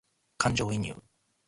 感情移入